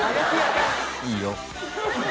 いいよ。